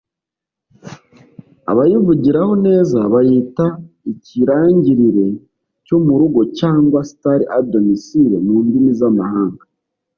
Abayivugiraho neza bayita ikirangirire cyo mu rugo cyangwa "Star à domicile" mu ndimi z’amahanga